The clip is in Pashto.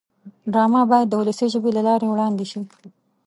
ډرامه باید د ولسي ژبې له لارې وړاندې شي